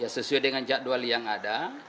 sesuai dengan jadwal yang ada